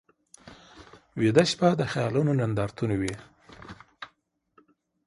ویده شپه د خیالونو نندارتون وي